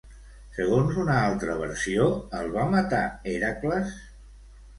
Segons una altra versió, el va matar Hèracles?